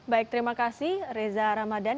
baik terima kasih reza ramadan